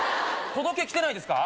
届け来てないですか？